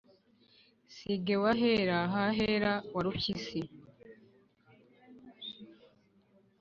si ge wahera, hahera warupyisi